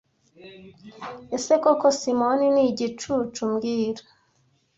Ese koko Simoni ni igicucu mbwira